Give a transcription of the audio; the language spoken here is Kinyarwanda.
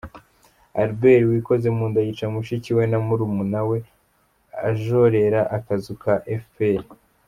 Albert wikoze munda yica mushiki we na muramuwe ajorera akazu ka fpr